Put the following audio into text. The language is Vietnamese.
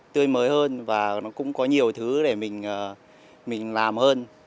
tươi mới hơn và nó cũng có nhiều thứ để mình làm hơn